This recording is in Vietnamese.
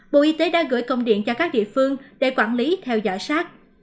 bộ y tế đã gửi công điện cho các địa phương để quản lý theo dõi sát